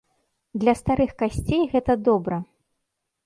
Для старых касцей гэта добра.